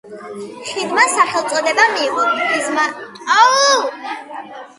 ხიდმა სახელწოდება მიიღო იზმაილოვის პროსპექტის მიხედვით.